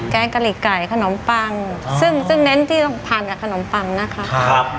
งกะหลีกไก่ขนมปังซึ่งซึ่งเน้นที่ต้องทานกับขนมปังนะคะครับ